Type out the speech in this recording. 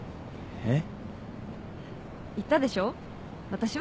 えっ。